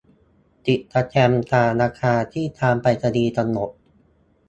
ติดสแตมป์ตามราคาที่ทางไปรษณีย์กำหนด